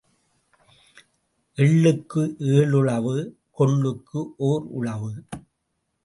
எள்ளுக்கு ஏழு உழவு, கொள்ளுக்கு ஓர் உழவு.